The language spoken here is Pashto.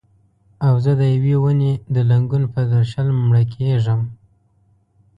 او زه د یوې ونې د لنګون پر درشل مړه کیږم